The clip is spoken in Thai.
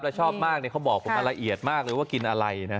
แล้วชอบมากเขาบอกผมมาละเอียดมากเลยว่ากินอะไรนะ